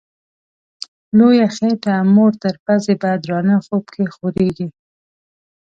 لویه خېټه موړ تر پزي په درانه خوب کي خوریږي